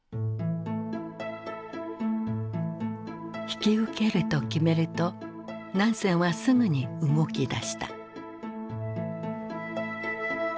引き受けると決めるとナンセンはすぐに動きだした。